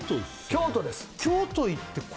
京都です